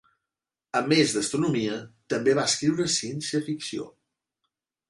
A més d'astronomia, també va escriure ciència ficció.